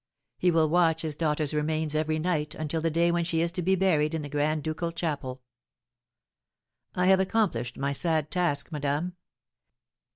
He will watch his daughter's remains every night until the day when she is to be buried in the grand ducal chapel. I have accomplished my sad task, madame.